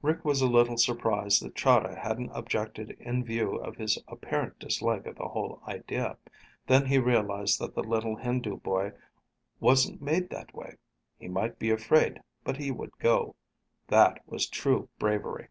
Rick was a little surprised that Chahda hadn't objected in view of his apparent dislike of the whole idea. Then he realized that the little Hindu boy wasn't made that way. He might be afraid, but he would go. That was true bravery.